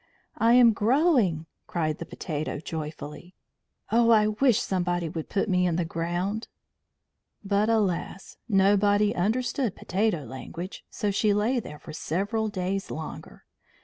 "I am growing!" cried the potato joyfully. "Oh, I wish somebody would put me in the ground." But, alas! nobody understood potato language, so she lay there for several days longer.